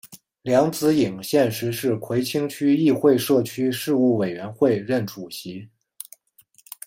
梁子颖现时是葵青区议会社区事务委员会任主席。